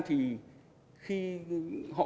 thì khi họ